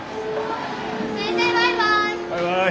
先生バイバイ。